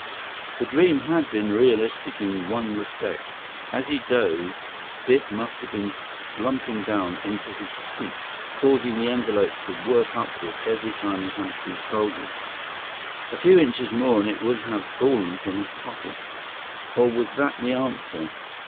The dream had been realistic in one respect. As he dozed, Biff must have kept slumping down into his seat, causing the envelope to work upward every time he hunched his shoulders. A few inches more and it would have fallen from his pocket. Or was that the answer?